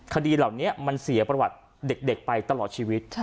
คดีเหล่านี้มันเสียประวัติเด็กไปตลอดชีวิต